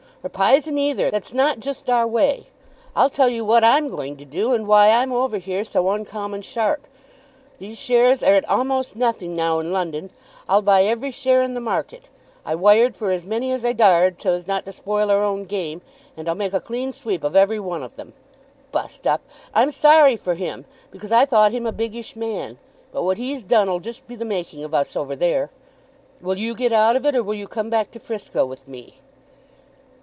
"Or p'ison either. That's not just our way. I'll tell you what I'm going to do; and why I'm over here so uncommon sharp. These shares are at a'most nothing now in London. I'll buy every share in the market. I wired for as many as I dar'd, so as not to spoil our own game, and I'll make a clean sweep of every one of them. Bu'st up! I'm sorry for him because I thought him a biggish man; but what he's done 'll just be the making of us over there. Will you get out of it, or will you come back to Frisco with me?"